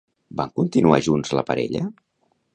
Van continuar junts la parella?